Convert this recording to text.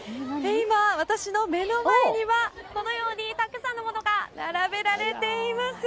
私の目の前にはたくさんのものが並べられています。